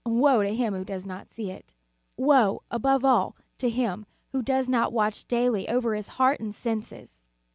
Woe to him who does not see it! Woe, above all, to him who does not watch daily over his heart and senses!